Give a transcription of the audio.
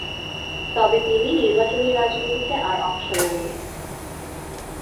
তবে তিনি নির্বাচনী রাজনীতিতে আর অংশ নেননি।